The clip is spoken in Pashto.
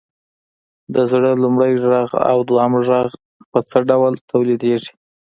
د زړه لومړی غږ او دویم غږ په څه ډول تولیدیږي؟